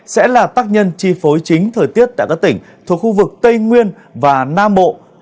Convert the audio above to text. sẽ là tác nhân chi phối chính thời tiết tại các tỉnh thuộc khu vực tây nguyên và nam bộ